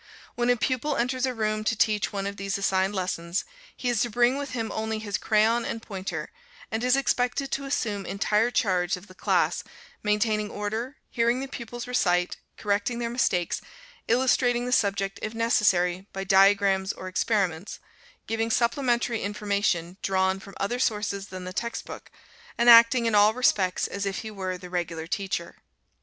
When a pupil enters a room to teach one of these assigned lessons, he is to bring with him only his crayon and pointer, and is expected to assume entire charge of the class, maintaining order, hearing the pupils recite, correcting their mistakes, illustrating the subject, if necessary, by diagrams or experiments, giving supplementary information drawn from other sources than the text book, and acting in all respects as if he were the regular teacher.